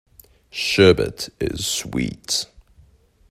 Sherbet is sweet.